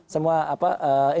semua introspeksi presiden